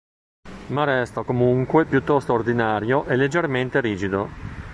Ma resta comunque piuttosto ordinario e leggermente rigido.